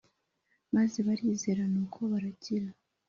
maze barizera nuko barakira.